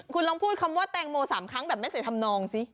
คุณลองพูดคำว่าแตงโม๓ครั้งแบบไม่ใส่ทำนองสิ